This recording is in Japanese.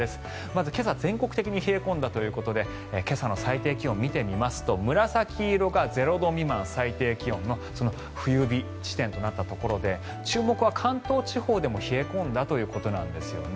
まず今朝は全国的に冷え込んだということで今朝の最低気温を見てみますと紫色が最低気温が０度未満の冬日地点となったところで注目は関東地方でも冷え込んだということです。